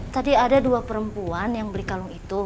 tadi ada dua perempuan yang beli kalung itu